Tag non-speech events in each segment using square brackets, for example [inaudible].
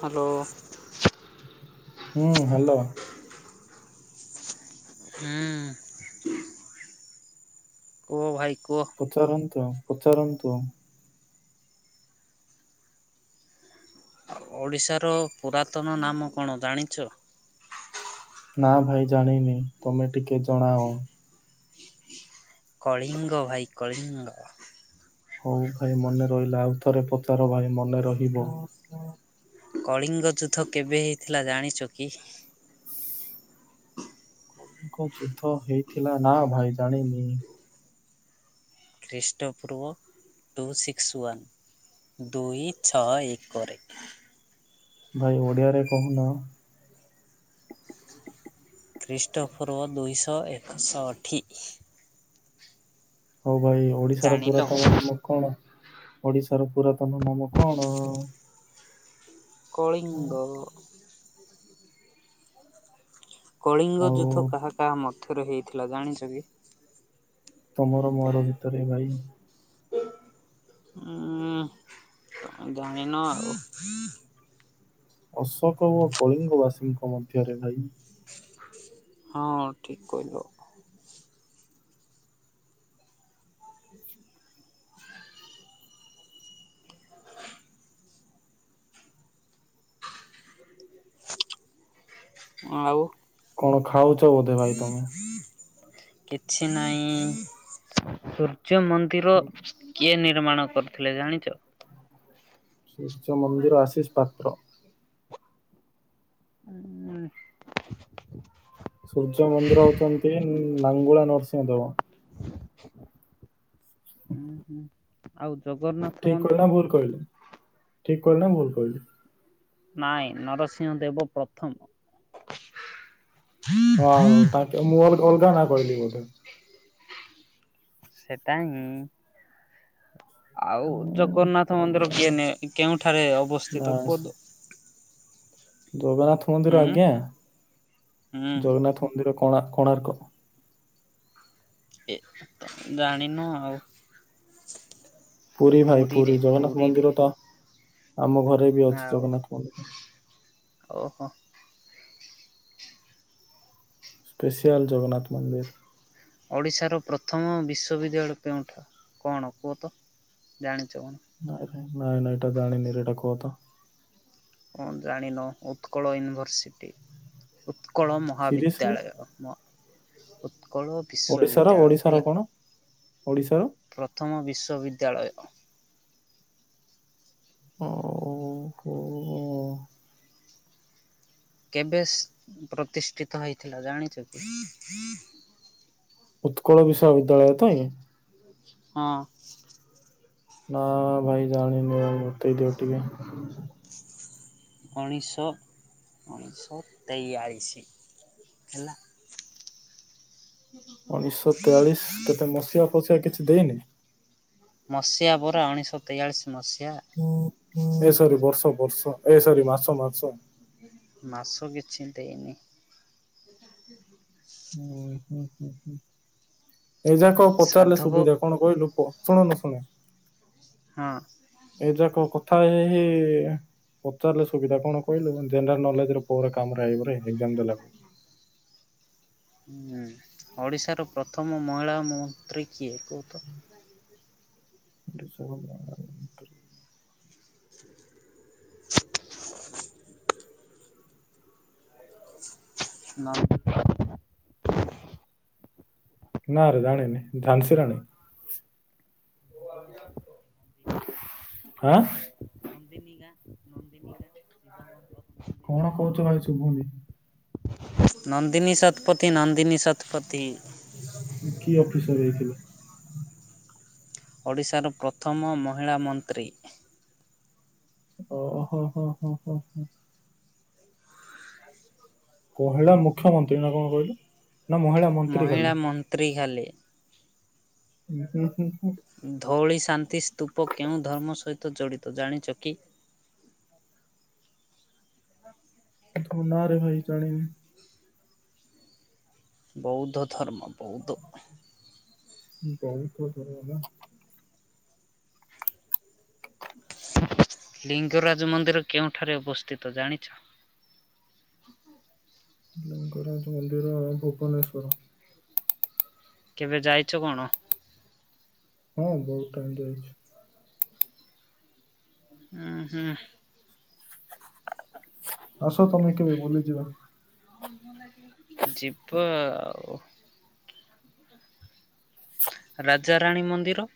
Hello. ହୁଁ hello. ହୁଁ। ଓହ ଭାଇ। କୁହ ପଚାରନ୍ତୁ। ପଚାରନ୍ତୁ। ଓଡ଼ିଶାର ପୁରାତନ ନାମ କଣ ଜାଣିଛ। ନା ଭାଇ ଜାଣିନି ତମେ ଟିକେ ଜଣାଅ। କଳିଙ୍ଗ ଭାଇ କଳିଙ୍ଗ। ହଉ ଭାଇ ମନେ ରହିଲା ଆଉଥରେ ପଚାର ଭାଇ ମନେ ରହିବ। କଳିଙ୍ଗ ଯୁଦ୍ଧ କେବେ ହେଇଥିଲା ଜାଣିଛ କି? ଗଙ୍କ ଯୁଦ୍ଧ ହେଇଥିଲା ନା ଭାଇ ଜାଣିନି। ଖ୍ରୀଷ୍ଟୋପୁ ଟୁ ସିକ୍ସ ୱନ୍ ଦୁଇ ଛଅ ଏକରେ ଭାଇ ଓଡିଆରେ କହୁନ। ଖ୍ରୀଷ୍ଟୋଫର ଦୁଇଶହ ଏକଶହଠି ହଉ ଭାଇ ଓଡିଶାର ଜାଣିଲ। ପୁରାତନ ନାମ କଣ? ଓଡିଶାର ପୁରାତନ ନାମ କଣ? କଳିଙ୍ଗ ଦ କଳିଙ୍ଗ ଆଉ ଯୁଦ୍ଧ କାହା କାହା ମତ ଏଥର ହେଇଥିଲା ଜାଣିଛ କି ତମର ମୋର ଭିତରେ ଭାଇ ହ ଜାଣିନ ଆଉ ଅଶୋକ ଓ କଳିଙ୍ଗ ବାସୀଙ୍କ ମଧ୍ୟରେ ଭାଇ ହଁ ଠିକ କୋଇିଲୁ ହ ଆଉୁ କଣ ଖାଉଛ ବୋଧେ ଭାଇ ତୁମେ କିଛି ନାହିଁ। ମନ୍ଦିର କିଏ ନି ନିର୍ମାଣ କରିୁଥିଲେ ଜାଣିଛ। ଶ୍ରୀକୃଷ୍ଣ ମନ୍ଦିର ଆଶିଷ ପାତ୍ର। ଉଁ, ସୂର୍ଯ୍ୟ ମନ୍ଦିର ଅଛନ୍ତି, ଉଁ, ଲାଙ୍ଗୁଳା ନରସିଂହ ଦେବ। ଉଁ, ହୁଁ ଆଉ ଦ ଠିକ କହିଲି ନା ଭୁଲ କହିଲି? ଠିକ କହିଲି ନା ଭୁଲ କହିଲି। ନାଇଁ ନରସିଂହ ଦେବ ପ୍ରଥମ। ହୋ ହଉ ତାଙ୍କେ ମୋର ଅଲଗା ନା କିହିଲି ବୋଧେ। ସେଟା ଇଁ ଆଉ ଉଁ ଜଗନ୍ନାଥ ମନ୍ଦିର ତମେ କିଏ ନି କେଉଁଠାରେ ନା ଅବସ୍ଥିତ କୁହତ? ଜଗନ୍ନାଥ ଥୁନ୍ଦୁରୁ ଆଜ୍ଞା ହୁଁ ଜଗନ୍ନାଥ ମନ୍ଦିର କୋଣା କୋଣାର୍କ ଏ ତ ଜାଣିନୁ ଆଉ। ପୁରୀ ଭାଇ ପୁରୀରେ ପୁରୀ ଜଗନ୍ନାଥ ପୁରୀରେ ମନ୍ଦିର ତ ଆମ ଘରେ ବି ଅଛି ଆଉ ଜଗନ୍ନାଥ ମନ୍ଦିର। ଓହୋ ସ୍ପେସିଆଲ୍ ଜଗନ୍ନାଥ ମନ୍ଦିର। ଓଡ଼ିଶାର ପ୍ରଥମ ବିଶ୍ୱବିଦ୍ୟାଳୟ କେଉଁଠା କଣ କୁହ ତ? ଜାଣି ଛେମନି ନାଇଁ ନାଇଁ ନାଇ ଏଟା ଜାଣିନିରେ ଏଟା କହ ତ। କଣ ଜାଣିନ ଉତ୍କଳ ୟୁନିଭର୍ସିଟି। ଉତ୍ କଳ ସିରିଏସଲି ମହାବିଦ୍ୟାଳୟ ମ ହ ଉତ୍କଳ ଓଡିଶାର ବିଶ୍ଵବିଦ୍ୟାଳୟ ଓଡିଶାର ହେଲା। କଣ ଓଡିଶାର ପ୍ରଥମ ବିଶ୍ୱବିଦ୍ୟାଳୟ। ଓ ହୋ। କେବେ ପ୍ରତିଷ୍ଠିତ ହେଇଥିଲା ଜାଣିଚ କି? ଉତ୍କଳ ବିଶ୍ଵବିଦ୍ୟାଳୟ ତ ଏ ହଁ। ନା ଭାଇ ଜାଣିନି, ଆଉ ବତେଇ ଦିଅ ଟିକେ। ଉଣେଇଶ ଉଣେଇଶ ତେୟାଳିଶ ହେଲା। ଉଣେଇଶ ତେୟାଳିଶ କେତେ ମସିଆ ଫସିଆ କିଛି ଦେଇନି? ମସିହା ପରା ଉଣେଇଶହ ତେୟାଳିଶ। ମସିହା ଏ ସରି ବର୍ଷ ବର୍ଷ। ଏ ସରି ମାସ ମାସ। ମାସ କିଛି ଦେଇନି। ଉଁ ହୁଁ ହୁଁ ହୁଁ। ଏଯାକ ପଚାରିଲେ ସାଧବ ସୁବିଧା କଣ କହିଲୁ ଶୁଣୁନୁ ଶୁଣେ ହଁ। ଏ ଯାକ କଥା ହେଇ ହେଇ ପଚାରିଲେ ସୁବିଧା କଣ କହିଲୁ ଯେନେରାଲ ନଲେଜ ପ କାମରେ ଆଇବ ରେ ଏକଜାମ୍ ଦେଲା। ଓଡ଼ିଶାର ପ୍ରଥମ ମହିଳା ମନ୍ତ୍ରୀ କିଏ କହ ତ? [unintelligible] [inaudible] ନାଁ। ନାରେ ଜାଣିନି ଝାନସି ରାଣୀ। [inaudible] ଆଁ [unintelligible] କଣ ଗାଁ କହୁଛ ଭାଇ ଶୁଭୁନି? ନନ୍ଦିନୀ ଶତପଥି ନନ୍ଦିନୀ ଶତପଥି। କି ଅଫିସରେ ହେଇଥିଲା? ଓଡ଼ିଶାର ପ୍ରଥମ ମହିଳା ମନ୍ତ୍ରୀ। ଓହୋ ହୋ ହ ହ ହ। [inaudible] କହିଲା ମୁଖ୍ୟମନ୍ତ୍ରୀ ନା କଣ କହିଲୁ? ନା ମହିଳା ମନ୍ତ୍ରୀ ଖାଲି। ଖାଲି। ଉଁ ହୁଁ ହୁଁ। ଧଉଳି ସେ ଶାନ୍ତି ସ୍ତୂପ କେଉଁ ଧର୍ମ ସହିତ ଜଡ଼ିତ ଜାଣିଛ କି? ନାରେ ଭାଇ ଜାଣିନି। ବୌଦ୍ଧ ଧର୍ମ ବୌଦ୍ଧ। [inaudible] ବହୁତ ଦୂରରେ ଲିଙ୍ଗରାଜ ମନ୍ଦିର କେଉଁଠାରେ ଅବସ୍ଥିତ ଜାଣିଛ? ଲଙ୍ଗରାଜ ମନ୍ଦିର ଭୁବନେଶ୍ଵର। କେବେ ଯାଇଛ କଣ? ହଁ ବହୁତ ଟାଇମ ଯାଇଛି। ହୁଁ ହୁଁ। ଆସ ତମେ କେବେ ଭୁଲିଯିବା। [unintelligible] ଯିବ ଆଉ। ରାଜାରାଣୀ ମନ୍ଦିର।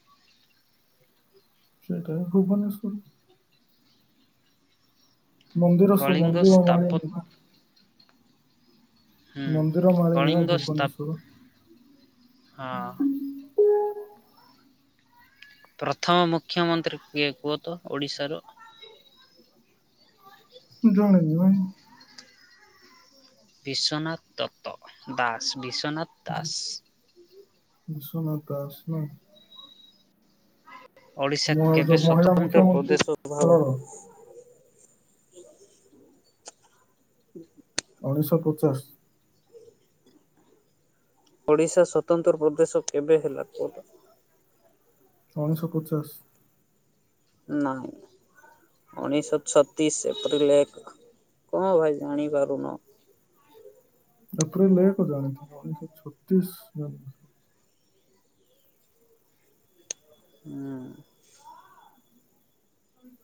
ସେଇଟା ଭୁବନେଶ୍ୱର। ମନ୍ଦିର କଳିଙ୍ଗ ସଵୁ। ସ୍ଥାପତ୍ୟ [unintelligible] ହୁଁ ମନ୍ଦିର ମାଳିନୀ ର କଳିଙ୍ଗ ସ୍ଥାପ ଭୁବନେସ୍ୱର। ହଁ। [inaudible] ପ୍ରଥମ ମୁଖ୍ୟମନ୍ତ୍ରୀ କିଏ କୁହ ତ ଓଡ଼ିଶାରାରୁ? ଜାନାହିଁ ଭାଇ। ବିଶ୍ୱନାଥ ଦତ୍ତ ଦାସ। ବିଶ୍ୱନାଥ ଦାସ। ବିଶ୍ୱନାଥ ଦାସ। ଓଡ଼ିଶା ମ ଯୋଉ କେବେ ମହିଳା ସ୍ୱତନ୍ତ୍ର ମୁଖ୍ୟମନ୍ତ୍ରୀ ପ୍ରଦେଶ ଅଭାବ ଦଳର ହୁଁ ହୁଁ। ଉଣେଇଶହ ପଚାଶ। ଓଡିଶା ସ୍ୱତନ୍ତ୍ର ପ୍ରଦେଶ କେବେ ହେଲା କୁହ। ଉଣେଇଶହ ପଚାଶ। ନାଇଁ ଉଣେଇଶହ ଛତିଶ ଏପ୍ରିଲ ଏକ, କଣ ଭାଇ ଜାଣିପାରୁନ? ଏପ୍ରିଲ ଏକ। ଜାଣିଥିବ ଉଣେଇଶହ ଛତିଶ। [inaudible] ହୁଁ ଅମ୍।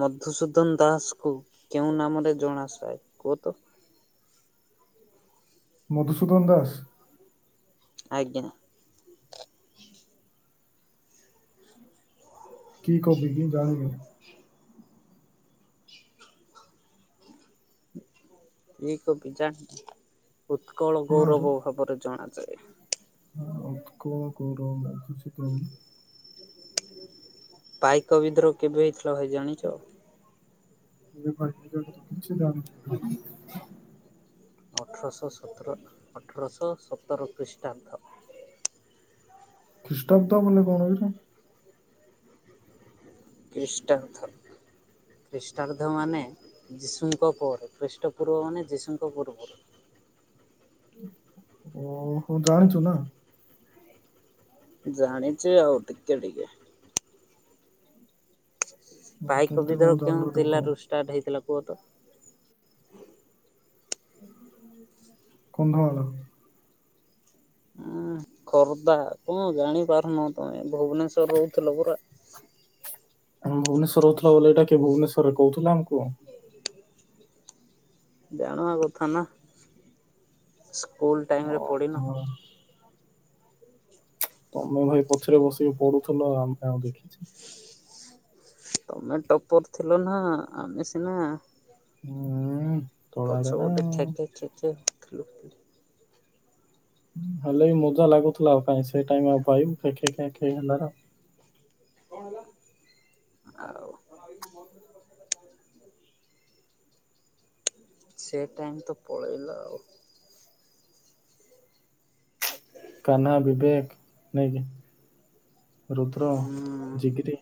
ମଧୁସୂଦନ ଦାସକୁ କେଉଁ ନାମରେ ଜଣାଶାଏ କୁହ ତ? ମଧୁସୂଦନ ଦାସ। ଆଜ୍ଞା। କି କବି କି ଜାଣିବି। [unintelligible] ଉତ୍କଳ ନା ରେ ଗୌରବ ଭାବରେ ଜଣାଯାଏ। [unintelligible] [unintelligible] ପାଇକ ବିଦ୍ରୋହ କେବେ ହେଇଥିଲା ଭାଇ ଜାଣିଛ? ମୁଁ ପାଇକ ବିଦ୍ରୋହଫିଦ୍ରୋହ କିଛି ଜାଣିନି। ଅଠରଶ ସତ୍ରକ ଅଠରଶ ସତର ଖ୍ରୀଷ୍ଟାଦ। ଖ୍ରୀଷ୍ଟାବ୍ଦ ବଲେ କଣ‌ଏଇଟା? ଖ୍ରୀଷ୍ଟାଦ୍ଧ ଖ୍ରୀଷ୍ଟାଦ୍ଧ ମାନେ ଯୀଶୁଙ୍କ ପରେ ଖ୍ରୀଷ୍ଟପୂର୍ବ ମାନେ ଯୀଶୁଙ୍କ ପୂର୍ବରୁ। ଓହୋଃ ଜାଣିଚୁ ନା? ଜାଣିଚି ଆଉ ଟିକେ ଟିକେ। ନା ପାଇକ କେମିତି କଣ ବିଦ୍ରୋହ କେଉଁ ଜାଣିଲୁ ଟିକେ କହ ଜିଲ୍ଲାରୁ ଷ୍ଟାର୍ଟ ହେଇଥିଲା? କୁହ ତ। କନ୍ଧମାଳ। ଉଁ ଖୋର୍ଦ୍ଧା କଣ ଜାଣିପାରୁନ ତମେ ଭୁବନେଶ୍ୱରେ ରହୁଥୁଲ ପରା। ଉଁ ଭୁବନେଶ୍ଵର ରଉଥୁଲ ବୋଲି ଏଇଟା କିଏ ଭୁବନେଶ୍ଵରରେ କୋହୁଥୁଲା ଆମକୁ? ଜାଣିବା କଥା ନା ସ୍। ସ୍କୁଲ୍ ଟାଇମରେ ପଢ଼ିନ? ହଁ ତମେ ଭାଇ ପଛରେ ବସିକି ପଢ଼ୁଥିଲ ଆମେ ଆଉ ଦେଖିଛି। ତମେ ଟପର ଥିଲ ନା ଆମେ ସିନା ଉଁ ତଳାଡ ପଛ ନା ପଟେ ଆଉ। ଖେଁ ଖେଁ ଖେଁ ଖେଁ ଥିଲୁ। [inaudible] ହେଲେ ବି ମଜା ଲାଗୁଥୁଲା ଆଉ କାଇଁ ସେ ଟାଇମ୍ ଆଉ ପାଇବୁ କେ ଖେଁ ଖେଁ ଖେ ହେଲାର। ଆଉ ସେ ଟାଇମ ତ ପଳେଇଲା ଆଉ। କାହ୍ନା ବିବେକ ନାଇଁ କି? ରୁଦ୍ର ହୁଁ ଜିଗରି।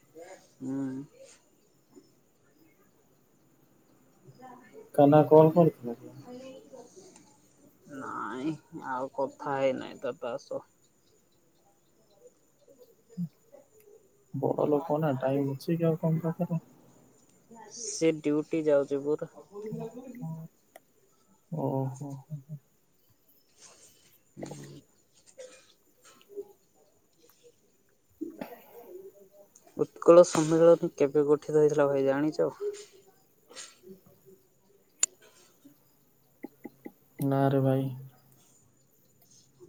ହୁଁ କାହ୍ନା କଣ କଣ କରୁଚୁ? ନାଇଁ ଆଉ କଥା ହେଇନାହିଁ ତ ତା ସ। ବଡ଼ ଲୋକ ନାଁ ଟାଇମ [unintelligible] ସେ ଡ୍ୟୁଟି ଯାଉଚି ପୁରା [unintelligible] ଓହୋ ଉତ୍କଳ ସମ୍ମିଳନୀ କେବେ ଗଠିତ ହେଇଥିଲା ଭାଇ ଜାଣିଚ? ନାଁରେ ଭାଇ।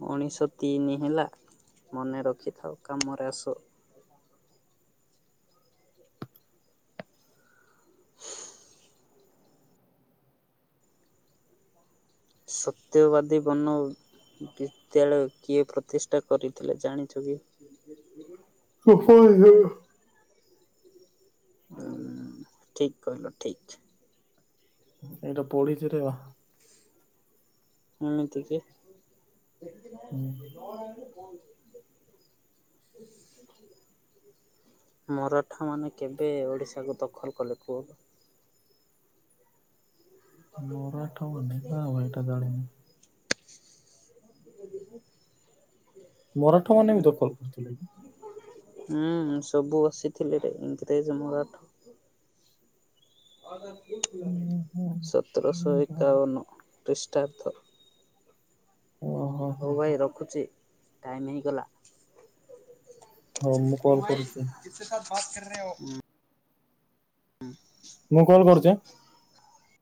ଉଣେଇଶ ତିନି ହେଲା ମନେ ରଖିଥାଅ କାମରେ ଆସ। ସତ୍ୟବାଦୀ ବନ ବିଦ୍ୟାଳୟ କିଏ ପ୍ରତିଷ୍ଠା କରିଥିଲେ ଜାଣିଛ କି? [unintelligible] ଅ ଠିକ୍ କହିଲ ଠିକ୍। ଏଇଟା ପଡିଚିରେ ବା ଏମିତି କି ହୁଁ। ମରାଠା ମାନେ କେବେ ଓଡ଼ିଶାକୁ ଦଖଲ କଲେ କୁହ? ମରାଠମାନେ ନାଁ ଭାଇ ଏଟା ଜାଣିନି। ମରାଠ ମାନେ ଭିଡ଼ିଓ କଲ କରଥିଲେ। ହୁଁ ସବୁ ଆସିଥିଲି ରେ ଇଂରେଜ ମରାଠ। ଉଁ [inaudible] ସତରଶହ ହୁଁ। ଏକାବନ। ଖ୍ରୀଷ୍ଟାବ୍ଦ। ଓହୋ ହୋ ହଉ ଭାଇ ରଖୁଚି। ଟାଇମ ହେଇଗଲା। ହୋଉ ମୁଁ କଲ କରୁଚି। [inaudible] ହୁଁ। ମୁଁ କଲ କରୁଚି ଆଁ।